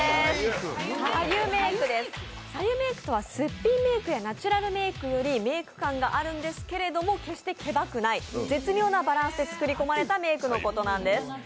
すっぴんメイクやナチュラルメイクよりメイク感があるんですが決してケバくない、絶妙なバランスで作り込まれたメイクのことなんです。